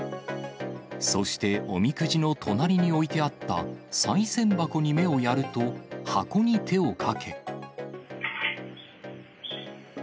そしておみくじの隣に置いてあったさい銭箱に目をやると、箱に手をかけ。